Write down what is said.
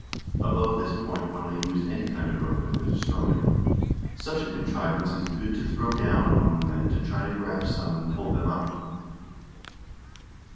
Above this point one may use any kind of rope, if it is strong enough. Such a contrivance is good to throw down among the men to try to grab some and pull them up."